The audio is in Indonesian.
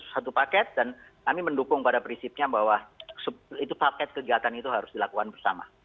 satu paket dan kami mendukung pada prinsipnya bahwa itu paket kegiatan itu harus dilakukan bersama